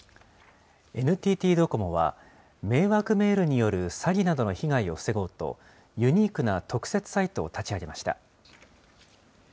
ＮＴＴドコモは、迷惑メールによる詐欺などの被害を防ごうと、ユニークな特設サイトを立ち上げました。